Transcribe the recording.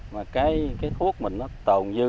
mà cái thuốc mình nó tồn dư